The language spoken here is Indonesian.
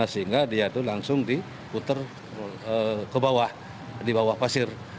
sehingga dia itu langsung diputer ke bawah di bawah pasir